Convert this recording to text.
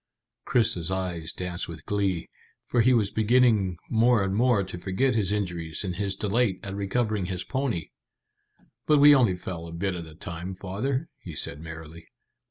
Chris's eyes danced with glee, for he was beginning more and more to forget his injuries in his delight at recovering his pony. "But we only fell a bit at a time, father," he said merrily.